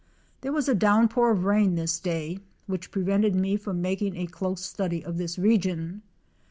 There was a downpour of rain this day which prevented me from making a close study of this region.